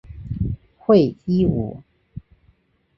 讳一武。